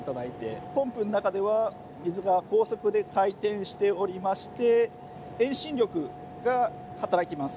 ポンプの中では水が高速で回転しておりまして遠心力が働きます。